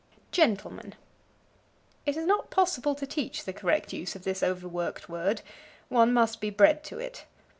Gentleman. It is not possible to teach the correct use of this overworked word: one must be bred to it.